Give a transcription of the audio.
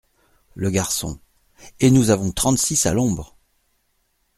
Le Garçon. — Et nous avons trente-six à l’ombre !